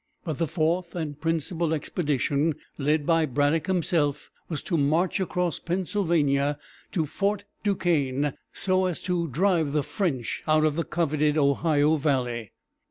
But the fourth and principal expedition, led by Braddock himself, was to march across Pennsylvania to Fort Duquesne, so as to drive the French out of the coveted Ohio valley.